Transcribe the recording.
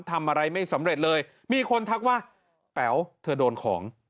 ทำอะไรไม่สำเร็จเลยมีคนทักว่าแป๋วเธอโดนของ